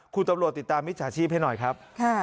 คุณตำรวจติดตามมิจฉาชีพให้หน่อยครับ